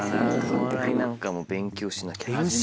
「お笑いなんかも勉強しなきゃ」。